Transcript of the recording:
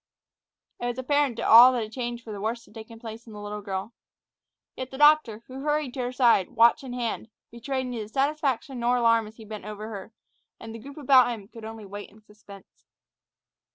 It was apparent to all that a change for the worse had taken place in the little girl. Yet the doctor, who hurried to her side, watch in hand, betrayed neither satisfaction nor alarm as he bent above her; and the group about him could only wait in suspense.